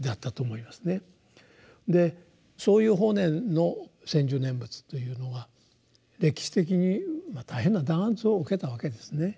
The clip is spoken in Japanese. でそういう法然の専修念仏というのは歴史的に大変な弾圧を受けたわけですね。